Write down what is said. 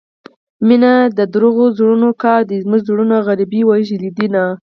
مينه دروغو زړونو كار دى زموږه زړونه غريبۍ وژلي دينه